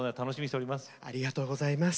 ありがとうございます。